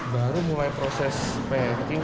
baru mulai proses packing